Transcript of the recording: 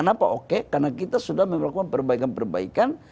kenapa oke karena kita sudah melakukan perbaikan perbaikan